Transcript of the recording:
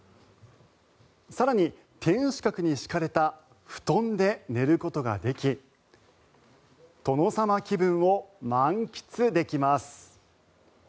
更に天守閣に敷かれた布団で寝ることができ殿様気分を満喫できます。